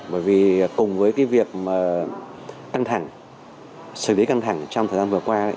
bởi vì cùng với cái việc mà căng thẳng xử lý căng thẳng trong thời gian vừa qua